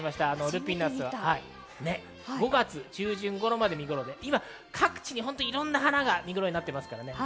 ルピナスは５月中旬頃まで見頃で、今各地にいろんな花が見頃になっていますから。